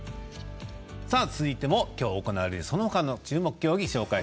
続いてもきょう行われるそのほかの注目競技です。